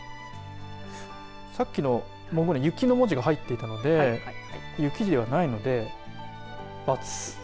さっきの、雪の文字が入っていたので雪ではないのでバツ。